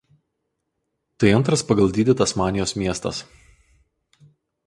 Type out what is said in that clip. Tai antras pagal dydį Tasmanijos miestas.